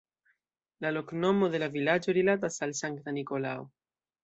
La loknomo de la vilaĝo rilatas al sankta Nikolao.